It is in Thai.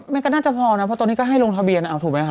มันก็น่าจะพอนะเพราะตอนนี้ก็ให้ลงทะเบียน